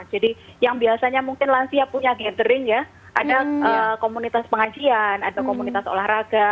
jadi yang biasanya mungkin lansia punya gathering ya ada komunitas pengajian ada komunitas olahraga